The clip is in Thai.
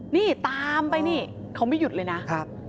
นี่ตามไปนี่เขาไม่หยุดเลยนะครับ